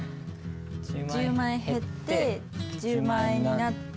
１０万円減って１０万円になって。